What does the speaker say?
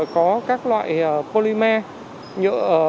có các loại polymer nhựa